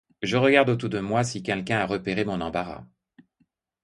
Je regarde autour de moi si quelqu’un a repéré mon embarras.